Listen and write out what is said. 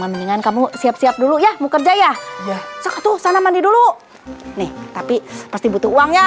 mendingan kamu siap siap dulu ya mau kerja ya satu sana mandi dulu nih tapi pasti butuh uang ya